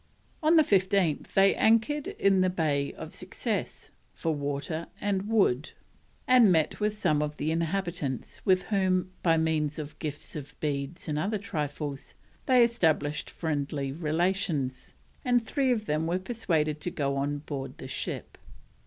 On the 15th they anchored in the Bay of Success, for wood and water, and met with some of the inhabitants, with whom, by means of gifts of beads and other trifles, they established friendly relations, and three of them were persuaded to go on board the ship.